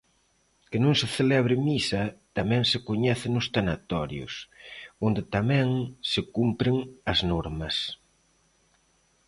Que non se celebre misa tamén se coñece nos tanatorios, onde tamén se cumpren as normas.